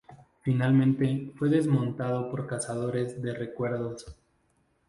Finalmente fue desmontado por cazadores de recuerdos.